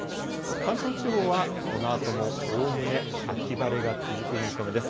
関東地方は、このあともおおむね秋晴れが続く見込みです。